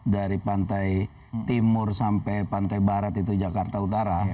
dari pantai timur sampai pantai barat itu jakarta utara